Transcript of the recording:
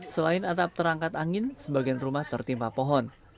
selain atap terangkat angin sebagian rumah tertimpa pohon